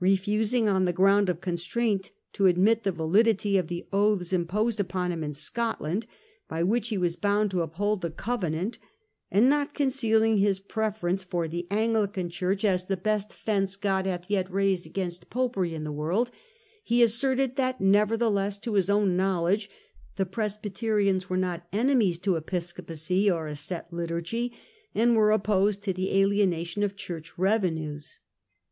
Refusing on Royal the ground of constraint, to admit the validity on C clSesias. oaths imposed upon him in Scotland, by tical affairs, which lie was bound to uphold the Covenant, and not concealing his preference for the Anglican Church as ' the best fence God hath yet raised against popery in the world/ he asserted that nevertheless, to his own knowledge, the Presbyterians were not enemies to Episcopacy or a set liturgy, and were opposed to the alienation of Church revenues.